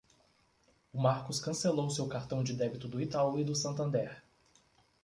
O Marcos cancelou seu cartão de débito do Itaú e do Santander.